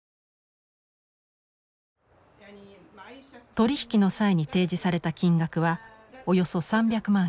取り引きの際に提示された金額はおよそ３００万円。